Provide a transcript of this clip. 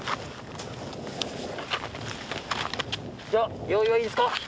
では用意はいいですか？